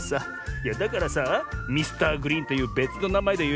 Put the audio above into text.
いやだからさミスターグリーンというべつのなまえでよ